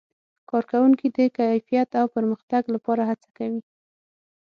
کارکوونکي د کیفیت او پرمختګ لپاره هڅه کوي.